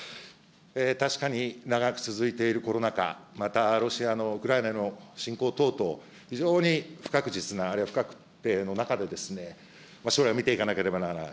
確かに長く続いているコロナ禍、またロシアのウクライナへの侵攻等々、非常に不確実な、あるいは不確定の中で将来を見ていかなければならない。